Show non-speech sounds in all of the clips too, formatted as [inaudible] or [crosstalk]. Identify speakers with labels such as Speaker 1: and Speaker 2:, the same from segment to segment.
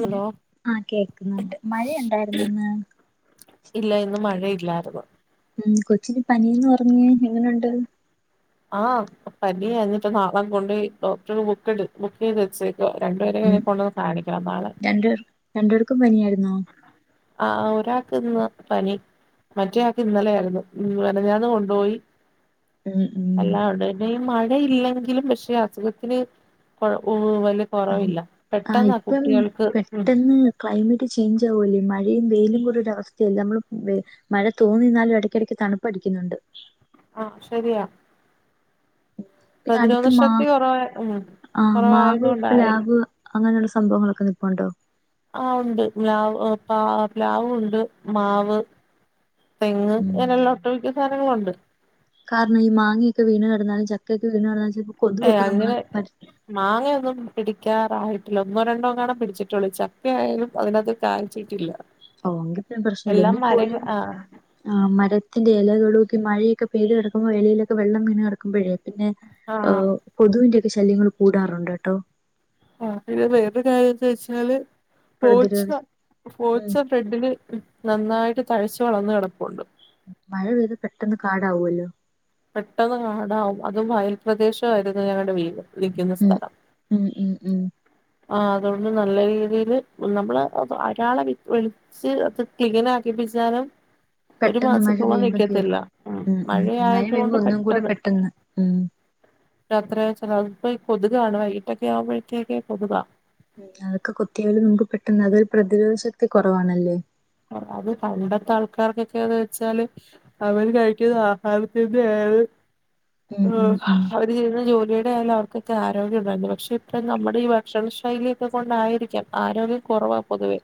Speaker 1: അല്ല ആഹ് കേക്കുന്നുണ്ട് മഴയ ഉണ്ടായിരുന്നോ ഇന്ന്
Speaker 2: ഇല്ല ഇന്ന് മഴയില്ലായിരുന്നു
Speaker 1: ഉം കൊച്ചിന് പനിയന്ന് പറഞ്ഞ് എങ്ങനെയുണ്ട്
Speaker 2: ആഹ് പനിയാ എന്നിട്ട് നാളെ കൊണ്ട് പോയി ഡോക്ടർ ബുക്ക് ബുക്ക് ചെയ്ത് വച്ചേക്കുവാ രണ്ടു പേരും അങ്ങനെ കൊണ്ടുവന്ന് കാണിക്കണം നാളെ
Speaker 1: എൻ്റെ രണ്ട്പേർക്കും പനിയായിരുന്നോ
Speaker 2: ആഹ് ഒരാക്ക് ഇന്ന് പനി മറ്റേയാൾക്ക് ഇന്നലെയായിരുന്നു മെനഞ്ഞാന്ന് കൊണ്ടുപോയി
Speaker 1: ഉം ഉം
Speaker 2: എല്ലാ ഉണ്ട് ഈ മഴയില്ലെങ്കിലും പക്ഷെ അസുഖത്തിന് വലിയ കുറവില്ല
Speaker 1: ആഹ് ഇപ്പം പെട്ടെന്ന് ക്ലൈമറ്റ് ചേഞ്ച് ആകല്ലേ മഴയും വെയിലും ഉള്ള ഒരവസ്ഥയല്ലെ നമ്മള് വെ - മഴ തൂങ്ങി നിന്നാലും ഇടയ്ക്കിടക്ക് തണുപ്പടിക്കുന്നുണ്ട്
Speaker 2: ആഹ് ശരിയാ
Speaker 1: പിന്നെ
Speaker 2: പ്രതിരോധ
Speaker 1: അടുത്ത് മാ
Speaker 2: ശക്തി കൊറവായ ഉം
Speaker 1: ആഹ്
Speaker 2: കൊറവായത്
Speaker 1: മാവ്
Speaker 2: കൊണ്ടായിരി
Speaker 1: പ്ലാവ് അങ്ങനെയുള്ള സംഭവങ്ങളൊക്കെ നിപ്പുണ്ടോ
Speaker 2: ആഹ് ഉണ്ട് പ്ലാവ്ണ്ട് മാവ് തെങ്ങ്
Speaker 1: ഉം
Speaker 2: ഇങ്ങനെയുള്ള ഒട്ടുമിക്ക സാനങ്ങളുണ്ട്
Speaker 1: കാരണം ഈ മാങ്ങയൊക്കെ വീണ് കെടന്നാലും ചക്കയൊക്കെ വീണ് കെടന്നാലും ചെലപ്പോ
Speaker 2: ഏ അങ്ങനെ മാങ്ങയൊന്നും പിടിക്കാറായിട്ടില്ല ഒന്നോ രണ്ടോ ങ്ങാനും പിടിച്ചിട്ടുള്ളൂ ചക്കെ ആയാലും അതിനകത്ത് കായ്ച്ചിട്ടില്ല
Speaker 1: ഓ അങ്കിപ്പോ പ്രശ്നല്ല
Speaker 2: എല്ലാം മരങ്ങ
Speaker 1: എങ്കിപോലും
Speaker 2: ആഹ്
Speaker 1: ആഹ് മരത്തിന്റെ ഇലകളിലൊക്കെ മഴയൊക്കെ പൈത് കിടക്കുമ്പോ ഇലയിലൊക്കെ വെള്ളം വീണ് കിടക്കുമ്പോഴേ പിന്നെ ഹ്
Speaker 2: ആഹ്
Speaker 1: കൊതുകിന്റെയൊക്കെ ശല്യങ്ങൾ കൂടാറുണ്ട് കേട്ടോ
Speaker 2: ആഹ് പിന്നെ വേറൊരു കാര്യംന്താന്ന് വെച്ചാല് പോച്ച
Speaker 1: പ്രതിരോധ ഉം
Speaker 2: പോച്ച ഫ്രെന്റില് നന്നായിട്ട് തഴച്ച് വളർന്ന് കിടപ്പുണ്ട്
Speaker 1: മഴ പെയ്ത പെട്ടെന്ന് കാടാവോല്ലോ
Speaker 2: പെട്ടെന്ന് കാടാവും അതും വയൽ പ്രദേശമായിരുന്നു ഞങ്ങളുടെ വീട് നിക്കുന്ന
Speaker 1: ഉം
Speaker 2: സ്ഥലം
Speaker 1: ഉം ഉം ഉം
Speaker 2: ആഹ് അതുകൊണ്ട് നല്ല രീതിയില് നമ്മള് ഒരാളെ വിളി- അത് ക്ലീൻ ആക്കിപ്പിച്ചാലും ഒരു
Speaker 1: പെട്ടെന്ന് മഴ
Speaker 2: മാസത്തോളം
Speaker 1: പെയ്യുമ്പോ കേറും
Speaker 2: നിക്കത്തില്ല ഉം
Speaker 1: മഴ പെയ്യുമ്പോ
Speaker 2: മഴയായതുകൊണ്ട്
Speaker 1: ഒന്നും കൂടെ
Speaker 2: പെട്ടെന്ന്
Speaker 1: ഉം
Speaker 2: രാത്രി ചിലപ്പോ കൊതുകാണ് വൈകിട്ടൊക്കെ ആവുമ്പോഴേത്തേക്ക് കൊതുക
Speaker 1: ഉം അതൊക്കെ കൊത്തിയാലും നമുക്ക് പെട്ടെന്ന് അതൊരു പ്രതിരോധ ശക്തി കുറവാണല്ലേ
Speaker 2: അത് പണ്ടത്തെ ആൾക്കാർ ക്കൊക്കെന്ന് വെച്ചാല് അവര് കഴിക്കുന്ന ആഹാരത്തിന്റെ ഏത്
Speaker 1: ഉം ഉം ഉം
Speaker 2: ചെയ്യുന്ന ജോലിയുടെ ആായാലും അവർക്കൊക്കെ ആരോഗ്യം ഉണ്ടായിരുന്നു പക്ഷെ ഇപ്പ നമ്മുടെ ഈ ഭക്ഷണ ശൈലിയൊക്കെ കൊണ്ടായിരിക്കാം ആരോഗ്യം കുറവാ പൊതുവെ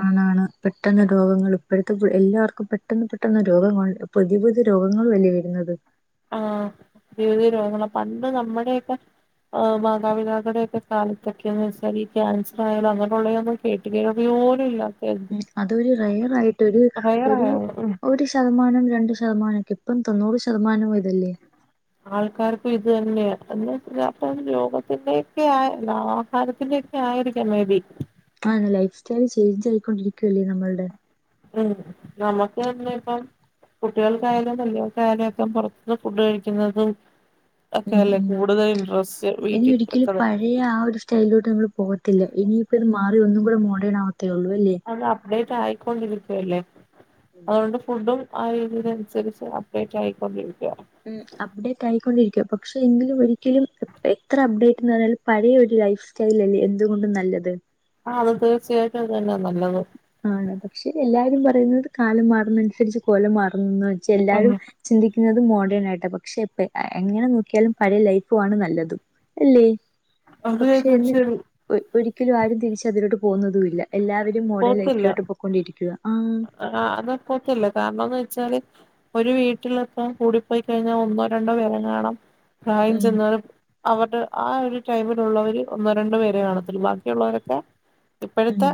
Speaker 1: ആണാണ് പെട്ടെന്ന് രോഗങ്ങൾ ഇപ്പോഴത്തെ എല്ലാവർക്കും പെട്ടെന്ന് പെട്ടെന്ന് രോഗങ്ങൾ പുതിയ പുതിയ രോഗങ്ങൾ അല്ലെ വരുന്നത്
Speaker 2: ആഹ് പുതിയ പുതിയ രോഗങ്ങള പണ്ട് നമ്മുടെയൊക്കെ ആഹ് മാതാപിതാക്കളുടെയക്കെ കാലത്തൊക്കെയന്ന് വെച്ചാല് ഈ ക്യാൻസറായാലോ അങ്ങനെയുള്ള കേട്ടു കേൾവി പോലും ഇല്ല
Speaker 1: ഉം അതൊരു റയർ ആയിട്ട് ഒരു ഒരു
Speaker 2: റയറാണ് ഉം
Speaker 1: ഒര് ശ - ശതമാനം രണ്ട് ശതമാനം ഒക്കെ ഇപ്പം തൊണ്ണൂറ് ശതമാനം ഇതല്ലേ
Speaker 2: ആൾക്കാർക്കും ഇത് തന്നെയ എന്നച്ചാ രോഗത്തിന്റെയൊക്കെ ആ ആഹാരത്തിന്റെ ആയിരിക്കാം മേബി
Speaker 1: ആ ലൈഫ് സ്റ്റൈൽ ചേഞ്ച് ആയിക്കൊണ്ടിരിക്കുവല്ലേ നമ്മൾടെ
Speaker 2: ഉം നമുക്ക് തന്നെ ഇപ്പം കുട്ടികൾക്കായാലും വല്യ വർക്കായാലും ഒക്കെ പുറത്തുന്ന് ഫുഡ് കഴിക്കുന്നത് ഒക്കെ
Speaker 1: ഉം
Speaker 2: അല്ലേ
Speaker 1: ഉം
Speaker 2: കൂടുതൽ ഇന്ററസ്റ്റ് വീട്ടിൽ വെക്കണല്ല
Speaker 1: ഈ ആ ഒര് സ്റ്റൈലിലോട്ട് നമ്മള് പോകത്തില്ല ഇനിയിപ്പത് മാറി ഒന്നും കൂടെ മോഡേൺ ആവത്തേ ഉള്ളൂ അല്ലേ
Speaker 2: അത് അപ്ഡേറ്റ് ആയിക്കൊണ്ടിരിക്കുവല്ലേ
Speaker 1: ഉം ഉം
Speaker 2: അതുകൊണ്ട്
Speaker 1: ഉം
Speaker 2: ഫുഡും ആയിതിനനുസരിച്ച് അപ്ഡേറ്റ് ആയിക്കൊണ്ടിരിക്ക
Speaker 1: ഉം അപ്ഡേറ്റ് ആയിക്കൊണ്ടിരിക്ക പക്ഷെ എങ്കിലും ഒരിക്കലും എത്ര അപ്ഡേറ്റ്ന്നറഞ്ഞാലും പഴയ ഒരു ലൈഫ് സ്റ്റൈൽ അല്ലേ എന്തുകൊണ്ടും നല്ലത്
Speaker 2: ആ അത് തീർച്ചയായിട്ടും അത് തന്നെയാ നല്ലത്
Speaker 1: ആണ് പക്ഷെ എല്ലാരും പറയുന്നത് കാലം മാറുന്ന അനുസരിച്ച് കോലം മാറുന്നു വെച്
Speaker 2: ഉം
Speaker 1: എല്ലാരും ചിന്തിക്കുന്നത് മോഡേൺ ആയിട്ടാ പക്ഷെ എങ്ങനെ നോക്കിയാലും പഴയ ലൈഫു ആണ് നല്ലത് അല്ലേ
Speaker 2: അത്
Speaker 1: പക്ഷെ എന്നെ
Speaker 2: ശരി
Speaker 1: ഒരിക്കലും ആരും തിരിച്ച് അതിലോട്ട് പോകുന്നതുല്ല എല്ലാവരും മോഡേൺ ലൈഫ്
Speaker 2: പോത്തില്ല
Speaker 1: ക്കോട്ട് പോക്കൊണ്ടിരിക്കുവ ആ
Speaker 2: ആഹ് അതപ്പോത്തല്ല കാരണംന്ന് വെച്ചാല് ഒരു വീട്ടിലിപ്പം കൂടിപ്പോയി കഴിഞ്ഞാ ഒന്നോ രണ്ടോ പേരെ കാണും
Speaker 1: ഉം
Speaker 2: പ്രായംചെന്നോല് അവരുടെ ആ ഒരു ടൈമിലുള്ളവര് ഒന്നോ രണ്ടു പേരെ കാണത്തുള്ളൂ ബാക്കിയുള്ളോരൊക്കെ
Speaker 1: ഉം
Speaker 2: ഇപ്പോഴത്തെ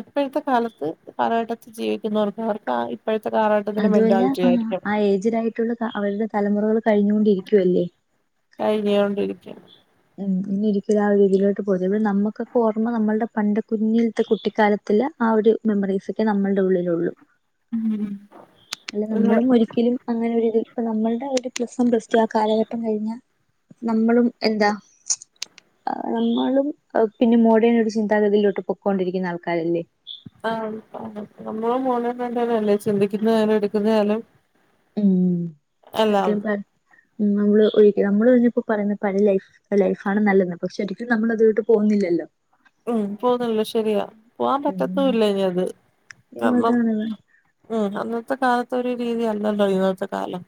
Speaker 2: ഇപ്പോഴത്തെ കാലത്ത് കാലഘട്ടത്തിൽ ജീവിക്കുന്നവർക്ക് അവർക്ക് ഇപ്പോഴത്തെ കാലഘ
Speaker 1: അതുഅല്ല ആ ആ ഏജിലായിട്ടുള്ള അവരുടെ തലമുറകൾ കഴിഞ്ഞോണ്ടിരിക്കുവല്ലേ
Speaker 2: കഴിഞ്ഞൊണ്ടിരിക്ക്യാ
Speaker 1: ഇനിഒരിക്കലും ആ രീതിയിലോട്ട് പൊതുവേ നമ്മുക്കൊക്കെ ഓർമ്മ നമ്മൾടെ പണ്ട് കുഞ്ഞിൽത്തെ കുട്ടിക്കാലത്തില്ല ആ ഒരു മെമ്മറീസൊക്കെ നമ്മള്ടെ ഉള്ളിലൊള്ളൂ അല്ല നമ്മളും ഒരിക്കലും അങ്ങനെ ഇപ്പ നമ്മൾടെ ഒരു പ്ലസ് വൺ പ്ലസ്ടു ആ കാലഘട്ടം കഴിഞ്ഞാ നമ്മളും എന്താ
Speaker 2: [inaudible]
Speaker 1: ആ നമ്മളും പിന്നെ മോഡേൺ ഒരു ചിന്താഗതിയിലോട്ട് പൊക്കൊണ്ടിരിക്കുന്ന ആൾക്കാരല്ലേ
Speaker 2: ആഹ് നമ്മള മോനെ കണ്ടാലല്ലേ ചിന്തിക്കുന്നതാലും എടുക്കുന്നതാലും
Speaker 1: ഉം [unintelligible] നമ്മള് ഒഴി നമ്മളൊഴിഞ്ഞപ്പോ പറയുന്ന പഴേ ലൈഫ് ലൈഫാണ് നല്ലത് പക്ഷെ ഒരിക്കും നമ്മളത്ട്ട് പോകുന്നില്ലല്ലോ
Speaker 2: ഉം പോന്നില്ല ശരിയാ പോവാ പറ്റത്തൂല്ല
Speaker 1: ഉം
Speaker 2: ഇനി അത് കാരണം
Speaker 1: അതാണ്
Speaker 2: ഉം അന്നത്തെ കാലത്തൊരു രീതിയല്ലല്ലോ ഇന്നത്തെ കാലം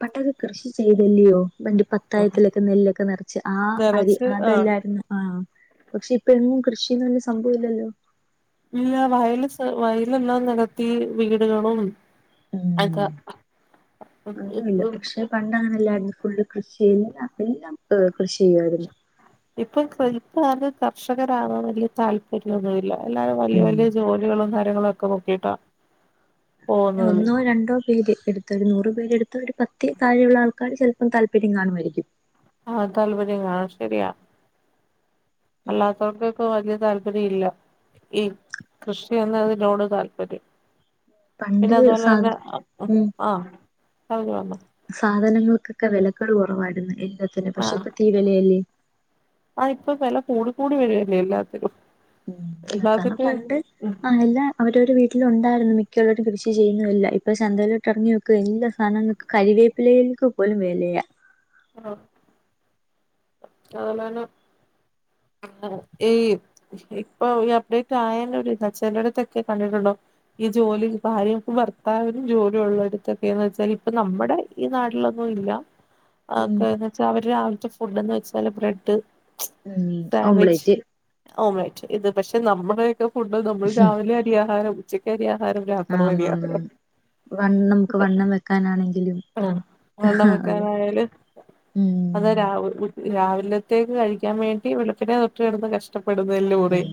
Speaker 1: പണ്ടൊക്കെ കൃഷി ചെയ്തല്ലയോ പണ്ട് പത്തായത്തിലൊക്കെ നെല്ലൊക്കെ നിറച്ച് ആ അരി
Speaker 2: നിറച്ച് ആഹ്
Speaker 1: അതല്ലായിരുന്നു ആഹ് പക്ഷെ ഇപ്പൊ എങ്ങും കൃഷിന്നുള്ള സംഭവല്ലല്ലോ
Speaker 2: ഇല്ല വയലെ സ് വയലെല്ലാം നിരത്തി വീടുകളും
Speaker 1: ഉം
Speaker 2: അതാ
Speaker 1: അങ്ങനല്ല പക്ഷെ പണ്ട് അങ്ങനെല്ലായിരുന്നു ഫുള് കൃഷി എല്ലാം കപ്പിം [unintelligible] കൃഷി ചെയ്യായിരുന്നു
Speaker 2: ഇപ്പൊപ്പൊ ഇപ്പ കർഷകരാകൻ വല്യതാല്പര്യൊന്നുല്ല എല്ലാരും വല്യ
Speaker 1: ഉം
Speaker 2: വല്യ ജോലികളും കാര്യങ്ങളും ഒക്കെ നോക്കിട്ടാ
Speaker 1: പിന്നെ ഒന്നോ രണ്ടോ പേര് എടു ഒരു നൂറ്പേരെടുത്ത ഒരു പത്ത് താഴെയുള്ള ആൾക്കാര് ചിലപ്പം താല്പര്യം കാണുമായിരിക്കും
Speaker 2: ആഹ് താല്പര്യം കാണും ശെരിയാ
Speaker 1: ഉം
Speaker 2: അല്ലാത്തവർക്കൊക്കെ വലിയ താല്പര്യം ഇല്ല ഈ കൃഷിന്ന് അതിനോട് താല്പര്യം പിന്നെ
Speaker 1: പണ്ട് സാ
Speaker 2: അതുപോലെന്നെ
Speaker 1: ഉം
Speaker 2: ആഹ് [unintelligible]
Speaker 1: സാധനങ്ങൾക്കൊക്കെ വിലക്കള് കുറവായിരുന്നു എല്ലാത്തിനും പക്ഷെ ഇപ്പ തീ വിലയല്ലേ
Speaker 2: ആ ഇപ്പൊ വെല കൂടി കൂടി വരല്ലേ എല്ലാത്തിനും
Speaker 1: ഉം നിക്കാനാ
Speaker 2: എല്ലാത്തിട്ട്
Speaker 1: പണ്ട് ആ എല്ലാ. അവരവര് വീട്ടിലുണ്ടായിരുന്നു മിക്കവരടും കൃഷി ചെയ്യുന്നതെല്ലാം ഇപ്പ ചന്തയിലോട്ട് ഇറങ്ങി എല്ലാ സാധനങ്ങക്ക് കറിവേപ്പിലയ്ക്ക് പോലും വെലയ
Speaker 2: ആഹ് [unintelligible] ഇപ്പൊ ഈ അപ്ഡേറ്റ് ആയേന്റൊര്‌താ ചെലട്തൊക്കെ കണ്ടിട്ടുണ്ടോ ഈ ജോലി ഭാര്യക്കും ഭർത്താവിനും ജോലി ഉള്ളടുത്തൊക്കെയന്ന് വെച്ചാ ഇപ്പ നമ്മുടെ ഈ നാട്ടിലൊന്നുല്ല. [inaudible]
Speaker 1: ഉം
Speaker 2: അപ്പേയ് ന്ന് വെച്ചാ അവര് രാവിലത്തെ ഫുഡ് എന്ന് വെച്ചാല് ബ്രെഡ്
Speaker 1: ഉം
Speaker 2: സാൻവിച്ച്
Speaker 1: ഓംലേറ്റ്
Speaker 2: ഓഹ് റെയിറ്റ് ഇത് പശെ നമ്മടെക്കെ ഫുഡ് നമ്മള് രാവിലെ അരി ആഹാരം ഉച്ചയ്ക്ക് അരി ആഹാരം രാത്രിയില് അരി
Speaker 1: ആന്നാന്നാന്ന്
Speaker 2: ആഹാരം
Speaker 1: വണ്ണം നമുക്ക് വണ്ണം വെക്കാനാണെങ്കിലും
Speaker 2: ആഹ്
Speaker 1: ആ
Speaker 2: [unintelligible]
Speaker 1: അതെ ഉം
Speaker 2: അത് രാവ് രാവിലേത്തേയ്ക്ക് കഴിക്കാൻ വേണ്ടി വേള്പ്പ്ന് തെ ട്രി കടന്ന് കഷ്ടപെടുന്നെലുറി.
Speaker 1: ഉം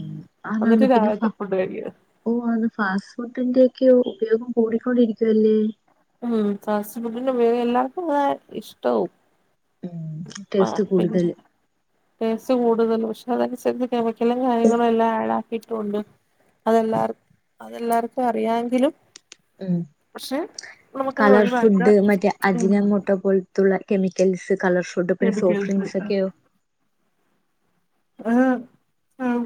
Speaker 2: എന്നിട്ട് രാവിലെത്തെ [unintelligible]
Speaker 1: ഓഹ് അത് ഫാസ്റ്റ് ഫുഡിന്റെയോക്ക്യാ ഉപയോഗം കൂടിക്കൊണ്ടിരിക്കിയ അല്ലെ
Speaker 2: ഉം ഫാസ്റ്റ് ഫുഡിന്റെ ഉപയോഗം എല്ലാവർക്കും അതാ ഇഷ്ടോം
Speaker 1: ഉം ടേസ്റ്റ് കൂടുതല്
Speaker 2: [unintelligible] ടേസ്റ്റ് കൂടതല് പശെ അത് അന്സരിച്ച് കെമിക്കലും കാര്യങ്ങളും എല്ലാ ഏടാ ട്ടോണ്ട് അതെല്ലാർ അതെല്ലാർക്കും അറിയാങ്കിലും
Speaker 1: ഉം
Speaker 2: നമുക്കത്
Speaker 1: കളർ
Speaker 2: ഒഴിവാക്ക
Speaker 1: ഫുഡ് മറ്റേ
Speaker 2: ഉം
Speaker 1: അജിന മോട്ടോ പോ ത്തുള്ള കെമിക്കൽസ് കളർ ഫുഡ് പിന്നെ സോഫ്റ്റ്
Speaker 2: കെമിക്കൽസ്
Speaker 1: ഡ്രിങ്ക്സ് ഒക്കെയോ
Speaker 2: ആഹ് ഉം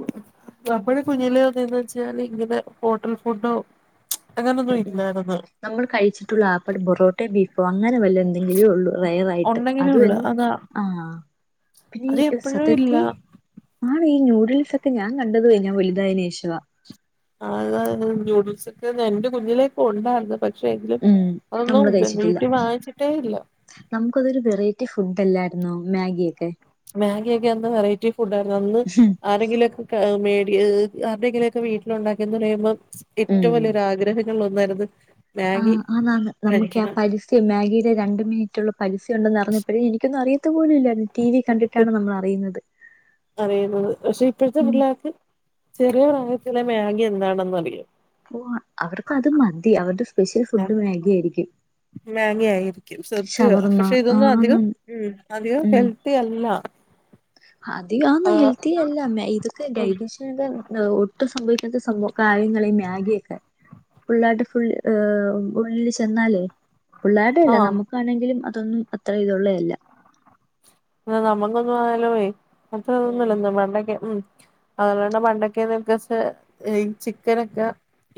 Speaker 2: നമ്മടെ കുഞ്ഞിലെ എന്ന് വെച്ചാല് ഇങ്ങനെ ഹോട്ടൽ ഫുഡോ അങ്ങനൊന്നും ഇല്ലാര്ന്ന്
Speaker 1: നമ്മള് കഴിച്ചിട്ടുള്ള ആപ്പട് പൊറോട്ടേ ബീഫോ അങ്ങനെ വല്ലാ എന്തെങ്കിലും ഒള്ളൂ റെയറായിട്ട്
Speaker 2: ഉണ്ടെങ്കിലേ
Speaker 1: അതും
Speaker 2: ഉള്ളൂ
Speaker 1: എന്ന്
Speaker 2: അതാ
Speaker 1: ആഹ് പിന്നെ
Speaker 2: അത്
Speaker 1: ഇ
Speaker 2: എപ്പോഴും ഇല്ല
Speaker 1: സത്യത്തി ആണ് ഈ ന്യൂഡിൽസ് ഒക്കെ ഞാൻ കണ്ടത് കഴിഞ്ഞാ വല്തായതിന് ശേഷാ
Speaker 2: ആഹ് ന്യുഡിൽസൊക്കെ എന്റെ കുഞ്ഞിലേ ഇപ്പോ ഉണ്ടായിരുന് പ പക്ഷെങ്കില്
Speaker 1: ഉം
Speaker 2: അതൊന്നും
Speaker 1: നമ്മള്
Speaker 2: വീട്ടി വാങ്ങിച്ചിട്ടേ ഇല്ല
Speaker 1: നമ്മുക്ക് അതൊരു വെറൈറ്റി ഫുഡ്ല്ലാര്ന്നോ മാഗിയൊക്കെ
Speaker 2: മാഗിയെക്കെ അന്ന് വെറൈറ്റി ഫുഡ് ആര്ന്ന് അന്ന് ആരെങ്കിലോ ക്കാ മേടി ഇ ആരുടെങ്കിലൊക്കെ വീട്ടില് ഒണ്ടാക്കി എന്ന് പറയ്മ്പം
Speaker 1: ഉം
Speaker 2: എറ്റോം വല്ല്യരു ആഗ്രഹങ്ങളില് ഒന്നാര്ന്ന്
Speaker 1: ആഹ് ആന്ന് ആന്ന് നമ്മക്കേ ആഹ് പരി റ്റി മാഗിടെ രണ്ട് മിനിറ്റ് ഉള്ള പരസ്യം ഒണ്ടെന്ന് അറിഞ്ഞപ്പഴേ എനിക്കൊന്നും അറിയത്തും പോലും ഇല്ലാര്ന്ന് ടി വി കണ്ടിട്ടാണ് നമ്മള് അറിയ്ന്നത്
Speaker 2: അറിയുന്നത് പശെ ഇപ്പോഴത്തെ പിള്ളേർക്ക് ചെറിയ പ്രായത്തിലെ മാഗി എന്താണെന്ന് അറിയും
Speaker 1: ഓഹ് അവർക്ക് അത് മതി അവരുടെ സ്പെഷ്യൽ ഫുഡ് മാഗി ആയിരിക്കും
Speaker 2: മാഗി ആയും ക്കും സത്യയാ
Speaker 1: ഷവർമ്മ
Speaker 2: പശെ ഇതൊന്നും
Speaker 1: ആന്ന്
Speaker 2: അധികം ഉം അധികം ഹെൽത്തി അല്ലാ
Speaker 1: അതികാന്ന് ഹെൽത്തി അല്ല മേയ് ഇതൊക്കെ ഡൈജിഷ [unintelligible] ഒട്ടും സംഭാവിക്കാത്ത സംഭവ കാര്യങ്ങളാ ഈ മാഗിയൊക്കെ പുള്ളേര്ടെ ഫുൾ ഉള്ളില് ചെന്നാലേ പിള്ളേടെ അല്ല
Speaker 2: ആഹ്
Speaker 1: നമ്മക്കാണെങ്കിലും അതൊന്നും അത്ര ഇത് ഒള്ളാ അല്ലാ
Speaker 2: നമ്മങ്ങൊന്നും ആയാലും യെ [unintelligible]
Speaker 1: ഉം
Speaker 2: [unintelligible] പണ്ടൊക്കെന്ന് [unintelligible] ചിക്കനൊക്കെ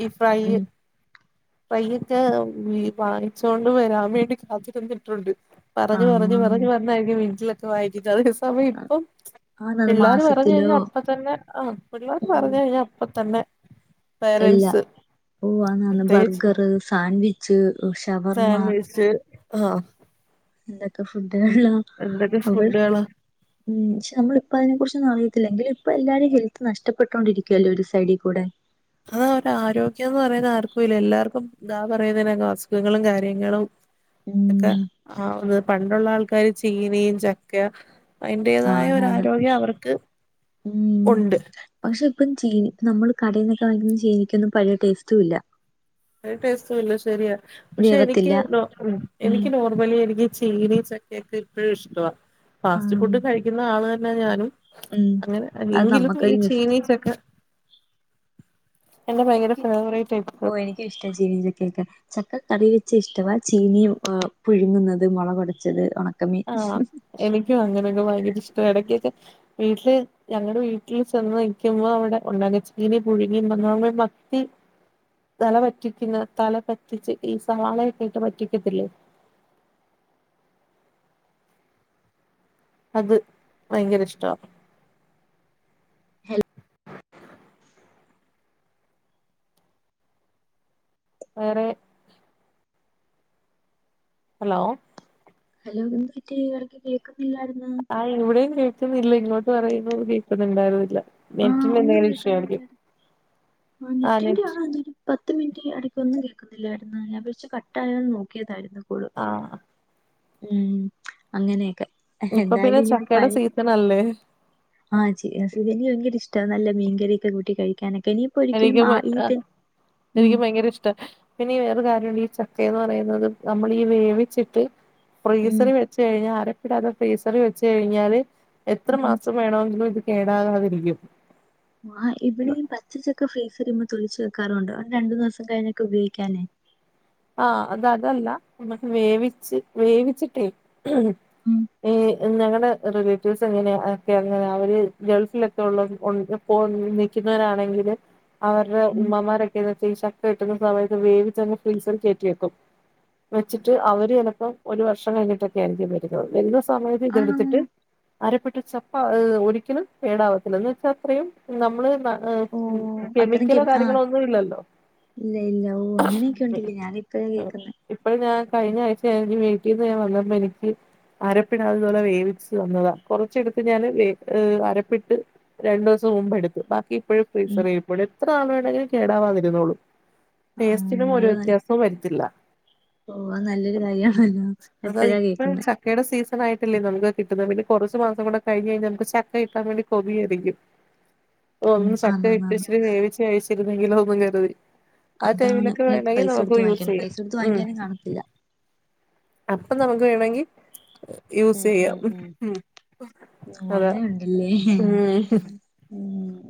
Speaker 2: ഈ ഫ്രൈ
Speaker 1: ഉം
Speaker 2: പയ്യൊക്കെ ഈ വാങ്ങിച്ചോണ്ട് വരാൻ വേണ്ടി കാത്തിര്ന്നിട്ട് ഉണ്ട് പറഞ്ഞ് പറഞ്ഞ് പറഞ്ഞ്
Speaker 1: ആഹ്
Speaker 2: പറഞ്ഞായ്രിക്കും വീൻന്റിലൊക്കെ വാങ്ങിക്കുന്നത് അതേ സമയം ഇപ്പം
Speaker 1: ആന്നാന്ന്
Speaker 2: പിള്ളാര് പറഞ്ഞ്
Speaker 1: മാസത്തിലോ
Speaker 2: കഴിഞ്ഞാ അപ്പ തന്നെ ആഹ് പിള്ളേര് പറഞ്ഞ് കഴിഞ്ഞാ അപ്പ തന്നെ
Speaker 1: എല്ലാം
Speaker 2: പേരൻസ്
Speaker 1: [unintelligible] ബർഗറ് സാൻവിച്ച്
Speaker 2: ഫമിൽസ് ആഹ്
Speaker 1: എന്തൊക്കെ ഫുഡ്കളാ
Speaker 2: എന്തൊക്കെ ഫുഡ്കള്
Speaker 1: ഉ്ം ച്ചാ നമ്മളിപ്പം അതിനെ കുറിച്ചൊന്നും അറയത്തില്ലാ എങ്കിലും ഇപ്പൊ എല്ലാരും ഹെൽത്ത് നഷ്ടപ്പെട്ടോണ്ടിരിക്കുവ്യാ അല്ലോ ഒര് സൈഡി കൂടെ
Speaker 2: അതാ ഒര് ആരോഗ്യം എന്ന് പറയുന്നത് ആർക്കും ഇല്ല എല്ലാർക്കും ദാ പറയുന്നതിനേ അസുഖങ്ങളും കാര്യങ്ങളും
Speaker 1: ഉം
Speaker 2: ണ [unintelligible] പണ്ടുള്ളാ ആൾക്കാര് ചീനയും ചക്കാ അയിന്റേതായ ഒര്
Speaker 1: ആണാണ്
Speaker 2: ആരോഗ്യം അവർക്ക് ഒണ്ട്.
Speaker 1: പശെ ഇപ്പം ചീനി നമ്മള് കടേന്നൊക്കെ വങ്ങിക്ക്ന്നാ ചീനിക്കൊന്നും പഴയ ടേസ്റ്റും ഇല്ല.
Speaker 2: ഒരു ടേസ്റ്റ് ഇല്ല ശരിയാ, പക്ഷെ എനിക്ക്
Speaker 1: വേവത്തില്ല ഉം
Speaker 2: എനിക്ക് അത് പോലെ എനിക്ക് ചീനി ചക്കയൊക്കെ ഇപ്പോഴും ഇഷ്ട വാ, ഫാസ്റ്റ്
Speaker 1: ആഹ്
Speaker 2: ഫുഡ് കഴിക്കുന്ന ആള് തന്നെ ഞാനും.
Speaker 1: ഉം
Speaker 2: അങ്ങനെ
Speaker 1: അത്
Speaker 2: എങ്കിലും ഈ
Speaker 1: നമ്മക്കൊരു മിസ്
Speaker 2: ചീനീ, ചക്ക എന്റെ ഭയങ്കര
Speaker 1: എനിക്ക്
Speaker 2: ഫേവറേറ്റ്
Speaker 1: ഓ
Speaker 2: ആയിപ്പോവും
Speaker 1: എനിക്കും ഇഷ്ട ചീനീം ചക്കയൊക്കെ. ചക്കക്കറി വെച്ച് ഇഷ്ടവാ, ചീനി പുഴുങ്ങുന്നത് മുളകുടച്ചത് ഉണക്ക
Speaker 2: ആഹ്
Speaker 1: [unintelligible]
Speaker 2: എനിക്കും അങ്ങനെയൊക്കെ ഭയര ഇഷ്ടവാ, ഇടയ്ക്കൊക്കെ വീട്ടില് ഞങ്ങളുടെ വീട്ടിൽ ചെന്ന് നിൽക്കുമ്പോ അവിടെ ഉണ്ടാക്കും, ചീനി, പുഴുങ്ങി മത്തി തല പറ്റിക്കുന്ന തല പറ്റിച്ച് ഈ സവാളയൊക്കെ ഇയിട്ട് പറ്റിക്കത്തില്ലേ. അത് ഭയങ്കര ഇഷ്ടമാണ് വേറെ ഹലോ?
Speaker 1: ഹലോ എന്തു പറ്റി ഇടക്ക് കേൾക്കന്നില്ലായിരുന്നു.
Speaker 2: ആ ഇവിടെയും കേൾക്കുന്നില്ല ഇങ്ങോട്ട്. പറയുന്നു കേൾക്കുന്നുണ്ടായിരുന്നില്ല.
Speaker 1: ആഹ്
Speaker 2: നെറ്റിന്റെ
Speaker 1: ഒന്നും
Speaker 2: എന്തെങ്കിലും ഇഷുആയിരിക്കും
Speaker 1: കേൾക്കുന്നില്ലായിരുന്നു
Speaker 2: ആ
Speaker 1: നെറ്റിന്റെ
Speaker 2: നെറ്റ്
Speaker 1: ആണോ എന്തേലും പത്ത് മിനിറ്റ് ഇടയ്ക്ക്ന്നും കേൾക്കുന്നില്ലായിരുന്നു, ഞാൻ വോച്ച് കട്ടയോ നോക്കിയതായിരുന്നു
Speaker 2: ആഹ്
Speaker 1: ഉം അങ്ങനെയൊക്കെ
Speaker 2: ഇപ്പൊ
Speaker 1: എന്തായാലും
Speaker 2: പിന്നെ
Speaker 1: ഇനി
Speaker 2: ചക്കയുടെ
Speaker 1: പഴി
Speaker 2: സീസൺ അല്ലേ
Speaker 1: ആ എനിക്ക് ഭയങ്കര ഇഷ്ട നല്ല മീൻകറിയ ഒക്കെ കൂട്ടി കഴിക്കാനൊക്കെ ഒരിക്കലും
Speaker 2: എനിക്കും
Speaker 1: ആ
Speaker 2: ബ
Speaker 1: ഈ ടൈം ഉം
Speaker 2: എനിക്കും ബയങ്കര ഇഷ്ടാ പിന്നെ വേറെ കാര്യം ഉണ്ട് ഈ ച ക്കെന്ന് പറയുന്നത് നമ്മൾ ഈ വേവിച്ചിട്ട്
Speaker 1: ഉം
Speaker 2: ഫ്രീസറി വച്ച് കഴിഞ്ഞാൽ അരപ്പിടാതെ ഫ്രീസറിൽ വെച്ച് കഴിഞ്ഞാല്, എത്ര
Speaker 1: ഉം
Speaker 2: മാസം വേണമെങ്കിലും ഇത് കേടാകാതിരിക്കും.
Speaker 1: ആ ഇവിടെ ഈ പച്ച ചക്ക ഫ്രീസർ ഈ തൊലിച്ച് വെക്കാറുണ്ട്. അവ രണ്ടു, മൂന്നു ദിവസം കഴിഞ്ഞൊക്കെ ഉപയോഗിക്കാലോ.
Speaker 2: ആ അതതല്ല നമ്മക്ക് വേവിച്ച് വേവിച്ചിട്ടേ
Speaker 1: ഉം
Speaker 2: ഞങ്ങളുടെ റിലേറ്റീവ്സ് എങ്ങനെയ ഒക്കെ അങ്ങനെ അവര് ഗൾഫിലൊക്കെ ഉള്ള പോയിനിൽക്കുന്നവരാണെങ്കില്. അവരുടെ
Speaker 1: ഉം
Speaker 2: ഉമ്മ മാരൊക്കെയാണെ ചക്ക കിട്ടുന്ന സമയത്ത് വേവിച്ചങ്ങ് ഫ്രഡ്ജിൽ കയറ്റി വെക്കും. വെച്ചിട്ട് അവര് ചിലപ്പോം ഒരു വർഷം കഴിഞ്ഞിട്ടൊക്കെയ വരുന്നത്. വരുന്ന സമയത്ത്
Speaker 1: ആണോ
Speaker 2: ഇതെടുത്തിട്ട്. അരപ്പിട്ട് ചക്ക ഒരിക്കലും കേേടാവത്തില്ല എന്ന് വെച്ചാ അത്രയും നമ്മള്. ആ
Speaker 1: ഓ അത്രയും
Speaker 2: കെമിക്കലോ
Speaker 1: കെമി ആ
Speaker 2: കാര്യങ്ങളോ ഒന്നും ഇല്ലല്ലോ
Speaker 1: ഇ ഞാന ഇപ്പഴെ കേൾക്കുന്ന
Speaker 2: ഇപ്പൾ ഞാൻ കഴിഞ്ഞ ആഴ്ച്ച ഞാൻ വീട്ടിൽ നിന്ന് വല്ല എനിക്ക് അരപ്പിടാതെ വേവിച്ചു തന്നതാ കൊറച്ചെടത്ത് ഞാൻ വേ ഏ അരപ്പിട്ട്. രണ്ടു ദിവസം മുമ്പ് എടുത്തു ബാക്കി ഇപ്പളുംഎത്ര
Speaker 1: ഉം
Speaker 2: നാള് വേണെങ്കിലും ഫ്രീസറിൽ ഇരുപ്പുണ്ട്, കേടാവാതിരരുന്നുള്ളൂ
Speaker 1: ആ
Speaker 2: ടേസ്റ്റിനും
Speaker 1: അത് ന
Speaker 2: വരത്തില്ല
Speaker 1: ഓ അത് നല്ലൊരു കാര്യമാണല്ലോ
Speaker 2: അതാ
Speaker 1: ഇപ്പഴാ
Speaker 2: ഇപ്പ
Speaker 1: കേൾക്കുന്ന.
Speaker 2: ചക്കയുടെ സീസൺായിട്ടല്ല നമക്ക് കിട്ടുന്നത്, പിന്നെ കുറച്ച മാസം കൂ കഴിഞ് കഴിഞ്ഞാൽ നമുക്ക് ചക്ക കിട്ടാൻ വേണ്ടി, കൊതിയായിരിക്കും.
Speaker 1: ഉം
Speaker 2: ഒന്ന് ചക്ക കിട്ടിയ
Speaker 1: ആന്നാന്നാന്ന്
Speaker 2: ഇച്ചിരി വേവിച്ച കഴിച്ചിരുന്നെങ്കിലൊ എന്നു കരുതി. ആ
Speaker 1: അതാണ്
Speaker 2: ടൈമിലൊക്കെ
Speaker 1: പിന്നക്ക്
Speaker 2: വേണമെങ്കിൽ
Speaker 1: പൈസ
Speaker 2: നമുക്ക്
Speaker 1: കൊടുത്ത്
Speaker 2: യൂസ്
Speaker 1: വാങ്ങിക്കാനും
Speaker 2: ചെയ്യാം
Speaker 1: പൈസ കൊടുത്ത് വാങ്ങിക്കാനും കാണത്തില്ല
Speaker 2: അപ്പം നമുക്ക് വേണമെങ്കിൽ യൂസ് ചെയ്യാം ഉം
Speaker 1: ഓ
Speaker 2: അതാ
Speaker 1: അങ്ങനെ ഉണ്ടല്ലേ
Speaker 2: ഉം
Speaker 1: ഉം